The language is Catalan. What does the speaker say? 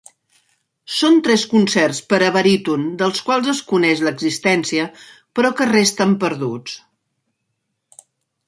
Són tres concerts per a baríton dels quals es coneix l'existència però que resten perduts.